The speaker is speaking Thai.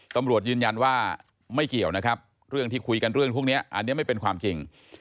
ตำรวจยืนยันว่าไม่เกี่ยวนะครับเรื่องที่คุยกันเรื่องพวกนี้อันนี้ไม่เป็นความจริง